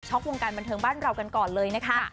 วงการบันเทิงบ้านเรากันก่อนเลยนะคะ